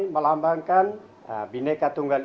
melambangkan bineka tunggal